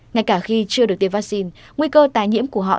ngay cả khi chưa được tiêm vaccine nguy cơ tái nhiễm của họ